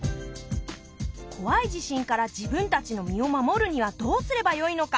怖い地震から自分たちの身を守るにはどうすればよいのか。